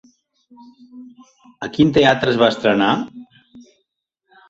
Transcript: A quin teatre es va estrenar?